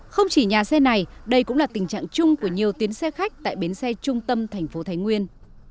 không chỉ nhà xe này đây cũng là tình trạng chung của nhiều tuyến xe khách tại bến xe trung tâm thành phố thái nguyên